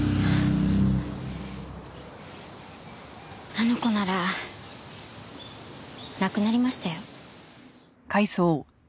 あの子なら亡くなりましたよ。